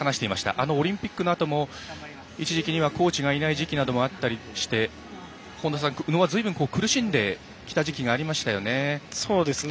あのオリンピックのあとも一時期にはコーチがいない時期などもあったりして宇野はずいぶん苦しんできた時期がありましたよね。